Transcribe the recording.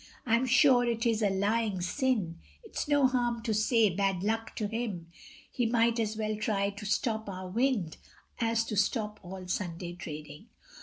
I'm sure it is a lying sin, It's no harm to say, bad luck to him, He might as well try to stop our wind, As to stop all Sunday trading.